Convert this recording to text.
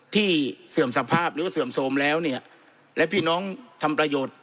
เสื่อมสภาพหรือว่าเสื่อมโทรมแล้วเนี่ยและพี่น้องทำประโยชน์